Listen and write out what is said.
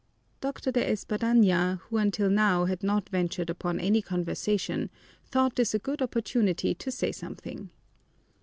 Doctor De Espadaña, who until now had not ventured upon any conversation, thought this a good opportunity to say something.